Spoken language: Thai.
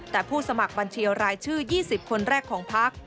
แต่ผู้สมัครบัญชีรายชื่อ๒๐คนแรกของพัก